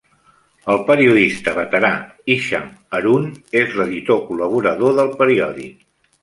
El periodista veterà Hisham Harun és l'editor col·laborador del periòdic.